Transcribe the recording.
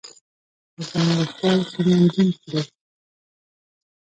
سلطان غوښتل چې منظوم کړي.